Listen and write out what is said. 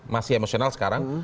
masih emosional sekarang